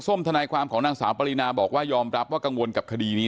ทนายความของนางสาวปรินาบอกว่ายอมรับว่ากังวลกับคดีนี้